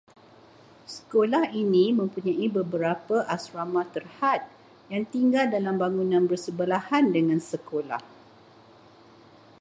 Sekolah ini mempunyai beberapa asrama terhad, yang tinggal dalam bangunan bersebelahan dengan sekolah